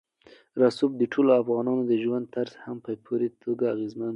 رسوب د ټولو افغانانو د ژوند طرز هم په پوره توګه اغېزمنوي.